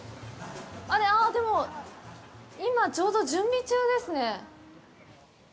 あ、でも今ちょうど準備中ですね。